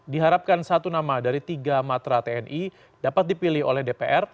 diharapkan satu nama dari tiga matra tni dapat dipilih oleh dpr